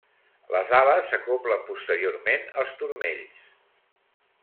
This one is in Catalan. Les ales s'acoblen posteriorment als turmells.